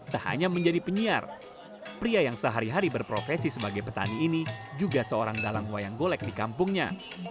tak hanya menjadi penyiar pria yang sehari hari berprofesi sebagai petani ini juga seorang dalang wayang golek di kampungnya